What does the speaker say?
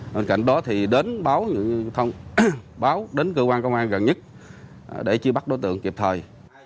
bên cạnh đó thì đến báo đến cơ quan công an gần nhất để chứ bắt đối tượng kịp thời